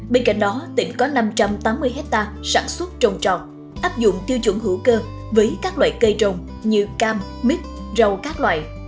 bên cạnh đó tỉnh có năm trăm tám mươi hectare sản xuất trồng trọt áp dụng tiêu chuẩn hữu cơ với các loại cây trồng như cam mít rau các loại